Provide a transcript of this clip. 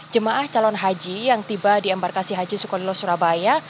jemaah calon haji yang tiba di embarkasi haji sukolilo surabaya